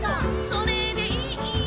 「それでいい」